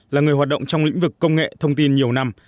là người hoạt động trong lĩnh vực công nghệ thông tin nhiều năm